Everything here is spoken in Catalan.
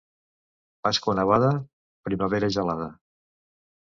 Pasqua nevada, primavera gelada.